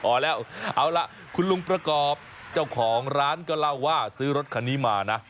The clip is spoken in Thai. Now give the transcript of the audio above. พอแล้วเอาล่ะคุณลุงประกอบเจ้าของร้านก็เล่าว่าซื้อรถคันนี้มานะ